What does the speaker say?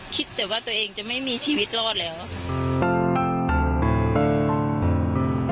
คิดแต่ว่าตัวเองจะไม่มีชีวิตรอดแล้วค่ะ